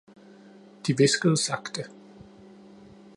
De hviskede sagte.